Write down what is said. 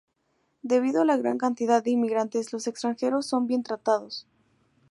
Debido a la gran cantidad de inmigrantes, los extranjeros son bien tratados.